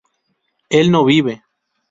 ¿él no vive?